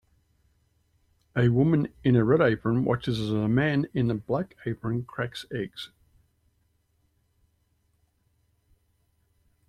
A woman in a red apron watches as a man in a black apron cracks eggs.